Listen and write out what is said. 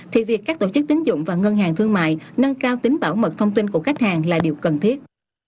thì việc các tổ chức tín dụng và ngân hàng thương mại nâng cao tính bảo mật thông tin của khách hàng là điều cần thiết